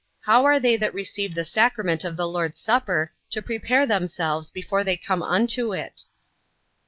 How are they that receive the sacrament of the Lord's supper to prepare themselves before they come unto it?